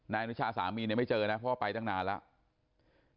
อนุชาสามีเนี่ยไม่เจอนะเพราะว่าไปตั้งนานแล้ว